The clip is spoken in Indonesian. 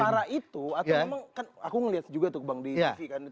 antara itu aku ngeliat juga tuh bang di tv kan